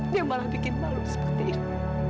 dia malah bikin malu seperti itu